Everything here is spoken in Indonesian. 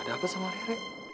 ada apa sama rerek